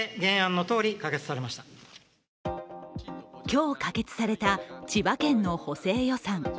今日、可決された千葉県の補正予算。